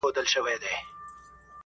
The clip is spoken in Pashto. څانګه یم وچېږمه، ماتېږم ته به نه ژاړې؛